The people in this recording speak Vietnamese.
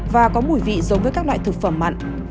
và có mùi vị giống với các loại thực phẩm mặn